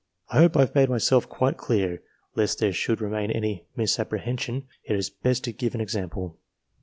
I hope have made myself quite clear : lest there should remain any misapprehension, it is better to give an example.